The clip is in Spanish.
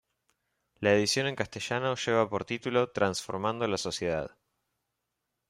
La edición en castellano lleva por título “"Transformando la sociedad.